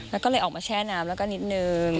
แล้วก็เลยออกมาแช่น้ำแล้วก็นิดนึง